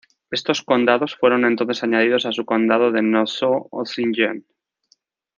Estos condados fueron entonces añadidos a su condado de Nassau-Usingen.